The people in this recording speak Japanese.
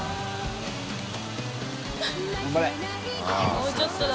もうちょっとだ！